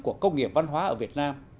của công nghiệp văn hóa ở việt nam